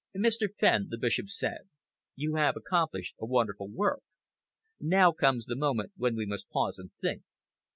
"Mr. Fenn," the Bishop said, "you have accomplished a wonderful work. Now comes the moment when we must pause and think.